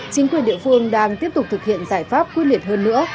chính quyền địa phương đang tiếp tục thực hiện giải pháp quyết liệt hơn nữa